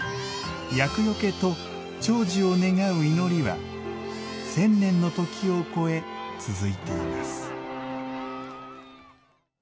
厄除けと長寿を願う祈りは１０００年の時を越え続いています。